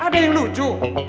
ada yang lucu